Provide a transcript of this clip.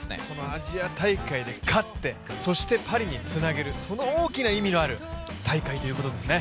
アジア大会で勝ってパリにつなげる、その大きな意味のある大会ということですね。